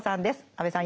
安部さん